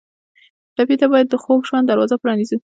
ټپي ته باید د خوږ ژوند دروازه پرانیزو.